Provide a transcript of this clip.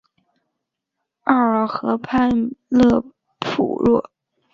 奥尔河畔勒普若。